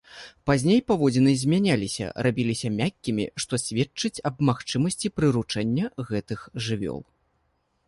Пазней паводзіны змянялася, рабіліся мяккімі, што сведчыць аб магчымасці прыручэння гэтых жывёл.